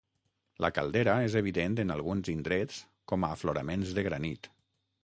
La caldera és evident en alguns indrets com a afloraments de granit.